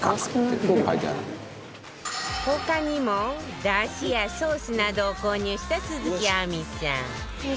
他にもだしやソースなどを購入した鈴木亜美さん